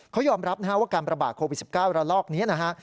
เขายอมรับนะฮะว่าการประบาดโควิด๑๙ระลอกนี้นะฮะ